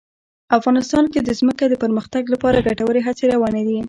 افغانستان کې د ځمکه د پرمختګ لپاره ګټورې هڅې روانې دي.